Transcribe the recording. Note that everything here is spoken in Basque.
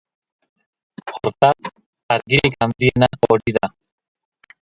Hortaz, argirik handiena hori da.